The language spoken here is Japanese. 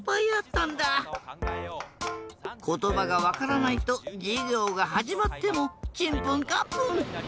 ことばがわからないとじゅぎょうがはじまってもチンプンカンプン。